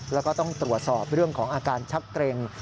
แล้วก็ต้องตรวจสอบเรื่องของอาการชักเกร็ง